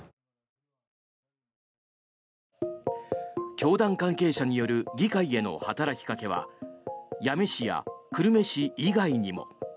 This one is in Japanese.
教団関係者による議会への働きかけは八女市や久留米市以外にも。